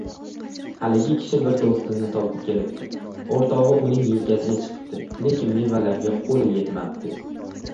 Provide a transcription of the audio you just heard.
Haligi kishi bir doʻstini topib kelibdi. Oʻrtogʻi uning yelkasiga chiqibdi, lekin mevalarga qoʻli yetmabdi.